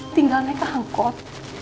tinggalnya ke hangkot